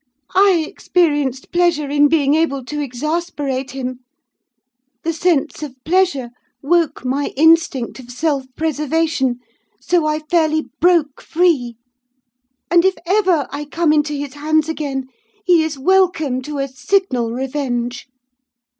I experienced pleasure in being able to exasperate him: the sense of pleasure woke my instinct of self preservation, so I fairly broke free; and if ever I come into his hands again he is welcome to a signal revenge.